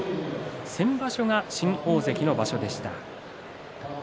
先場所が新大関の場所でした。